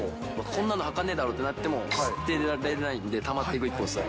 こんなの履かねーだろってなっても捨てられないんで、たまっていく一方です。